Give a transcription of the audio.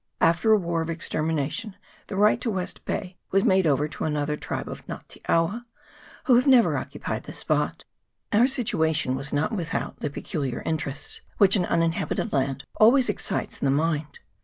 After a war of extermination the right to West Bay was made over to another tribe of Nga te awa, who have never occupied the spot. Our situation was not without the peculiar interest which an uninhabited land always excites in the mind.